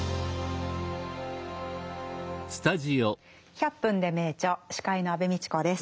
「１００分ｄｅ名著」司会の安部みちこです。